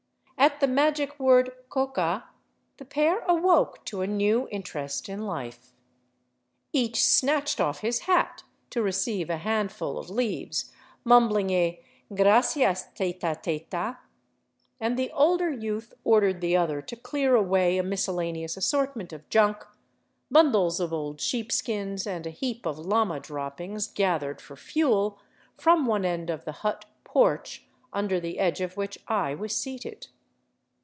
At the magic word coca " the pair awoke to a new interest in life. Each snatched off his hat to receive a handful of leaves, mumbling a " Gracias, tayta tayta," and the older youth ordered the other to clear away a miscellaneous assortment of junk, bundles of old sheepskins, and a heap of llama droppings gathered for fuel, from one end of the hut " porch " under the edge of which I was seated.